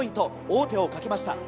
王手をかけました。